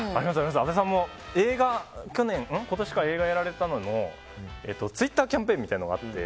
阿部さんも映画、今年やられたののツイッターキャンペーンみたいなのがあって。